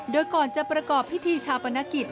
โดยก่อนจะประกอบพิธีชาปนกิจ